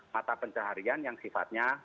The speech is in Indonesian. mata pencaharian yang sifatnya